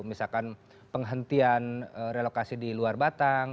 misalkan penghentian relokasi di luar batang